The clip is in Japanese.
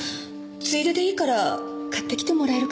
ついででいいから買ってきてもらえるかしら？